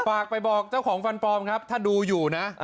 ฝากไปบอกเจ้าของฟันปลอมครับถ้าดูอยู่นะ